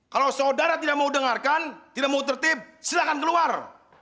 kalau saudara tidak mau dengarkan tidak mau tertib silakan keluar